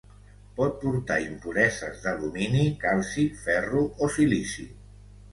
Pot portar impureses d'alumini, calci, ferro o silici.